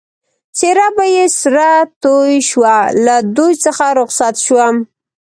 څېره به یې سره توی شوه، له دوی څخه رخصت شوم.